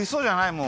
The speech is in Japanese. もう。